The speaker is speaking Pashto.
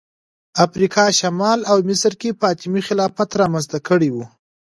افریقا شمال او مصر کې فاطمي خلافت رامنځته کړی و